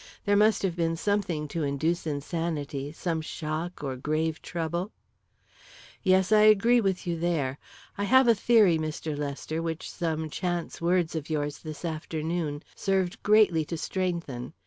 There must have been something to induce insanity some shock or grave trouble." "Yes, I agree with you there. I have a theory, Mr. Lester, which some chance words of yours this afternoon served greatly to strengthen.